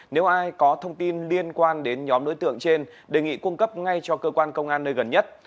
nếu ai có thông tin liên quan đến nhóm đối tượng trên đề nghị cung cấp ngay cho cơ quan công an nơi gần nhất